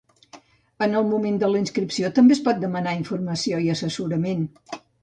En el moment de la inscripció també es pot demanar informació i assessorament.